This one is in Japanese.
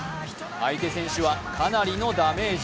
相手選手はかなりのダメージ。